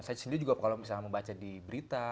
saya sendiri juga kalau misalnya membaca di berita